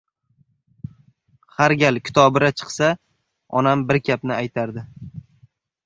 Har gal kitobira chiqsa, onam bir gapni aytardi: